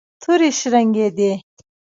تورې شرنګېدې.